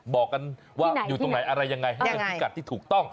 บอกกันว่าอยู่ตรงไหนอะไรยังไงให้เป็นพิกัดที่ถูกต้อง